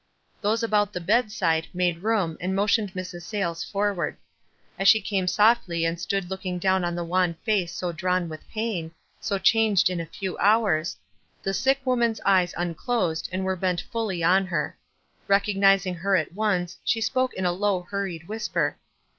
Those about the bedside made room and mo tioned Mrs. Sayles forward. As she came soft ly and stood looking down on the wan face so drawn with pain, so changed in a few hours, the sick woman's eyes unclosed and were beiu fnHy on her. Recognizing her at once, she spoke in a low, hurried whisper.